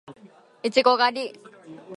いちご狩り